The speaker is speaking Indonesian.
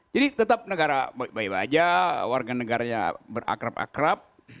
jadi tetap negara baik baik saja warga negaranya berakrab akrab